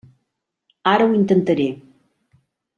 Ara ho intentaré.